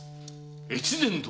越前殿。